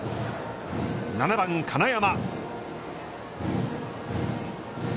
７番金山。